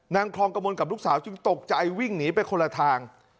นางคลองกระมวลกับลูกสาวจึงตกใจวิ่งหนีไปคนละทาง